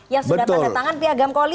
yang sudah tanda tangan piagam koli